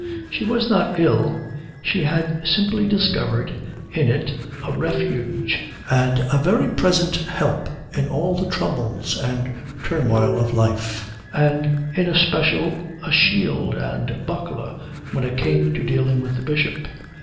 She was not ill. She had simply discovered in it a refuge and a very present help in all the troubles and turmoil of life, and in especial a shield and buckler when it came to dealing with the Bishop.